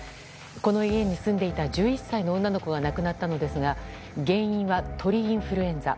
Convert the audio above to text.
この家に住んでいた１１歳の女の子が亡くなったのですが原因は鳥インフルエンザ。